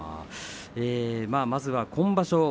まずは今場所